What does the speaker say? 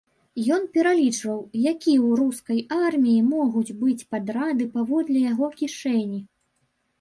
Ён пералічваў, якія ў рускай арміі могуць быць падрады паводле яго кішэні.